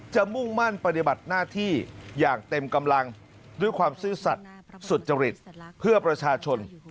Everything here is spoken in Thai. มุ่งมั่นปฏิบัติหน้าที่อย่างเต็มกำลังด้วยความซื่อสัตว์สุจริตเพื่อประชาชน